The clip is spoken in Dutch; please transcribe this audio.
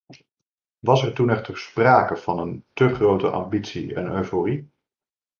Was er toen echter sprake van een te grote ambitie en euforie?